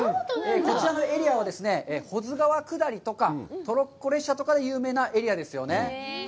こちらのエリアは保津川下りとか、トロッコ列車とかで有名なエリアですよね。